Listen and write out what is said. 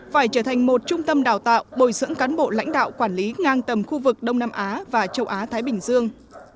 phải trở thành một trung tâm đào tạo bồi dưỡng cán bộ lãnh đạo quản lý ngang tầm khu vực đông nam á và châu á thái bình dương